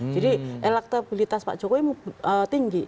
jadi elektabilitas pak jokowi tinggi